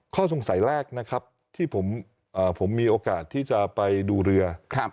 ข้อสงสัยแรกนะครับที่ผมมีโอกาสที่จะไปดูเรือ